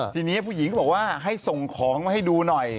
ทีนี้ผู้หญิงก็บอกว่าให้ส่งของมาให้ดูหน่อย